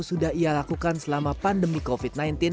sudah ia lakukan selama pandemi covid sembilan belas